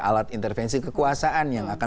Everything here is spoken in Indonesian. alat intervensi kekuasaan yang akan